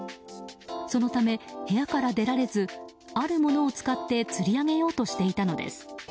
そのため、部屋から出られずあるものを使ってつり上げようとしていたのです。